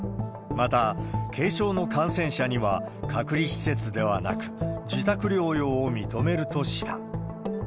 また、軽症の感染者には隔離施設ではなく、自宅療養を認めるとした。